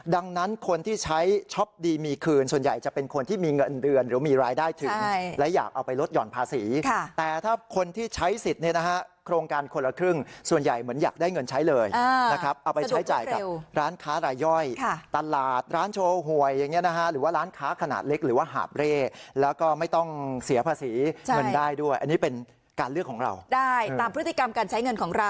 ดังนั้นคนที่ใช้ช็อปดีมีคืนส่วนใหญ่จะเป็นคนที่มีเงินเดือนหรือมีรายได้ถึงและอยากเอาไปลดหย่อนภาษีแต่ถ้าคนที่ใช้สิทธิ์เนี่ยนะฮะโครงการคนละครึ่งส่วนใหญ่เหมือนอยากได้เงินใช้เลยนะครับเอาไปใช้จ่ายกับร้านค้ารายย่อยตลาดร้านโชว์หวยอย่างเงี้ยนะฮะหรือว่าร้านค้าขนาดเล็กหรือว่าหาบเร่แล้วก็ไม